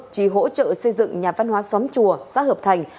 trì hỗ trợ xây dựng nhà văn hóa xóm chùa xã hợp thành